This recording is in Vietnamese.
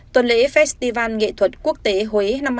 tuần lễ festival nghệ thuật quốc tế huế